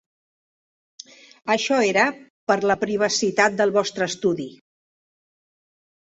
Això era per la privacitat del vostre estudi.